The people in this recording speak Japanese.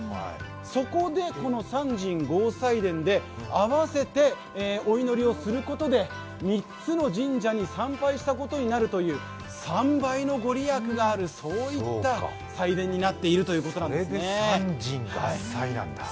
そこで、三神合祭殿で併せてお祈りをすることで、３つの神社に参拝したことになるという３倍の御利益があるそういった祭殿になっているんです。